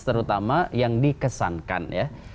terutama yang dikesankan ya